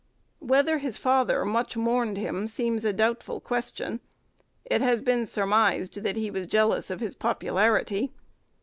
Whether his father much mourned him seems a doubtful question: it has been surmised that he was jealous of his popularity.